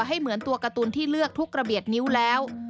ให้เหมือนตัวการ์ตูนที่เลือกทุกระเบียดนิ้วแล้ว